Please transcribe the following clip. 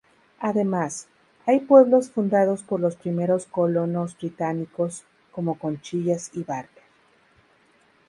Además, hay pueblos fundados por los primeros colonos británicos, como Conchillas y Barker.